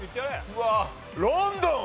うわっロンドン！